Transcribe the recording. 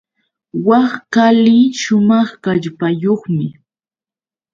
Wak qali shumaq kallpayuqmi.